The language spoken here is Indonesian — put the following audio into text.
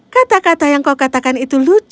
kata kata yang kau katakan itu lucu